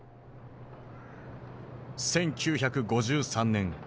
１９５３年。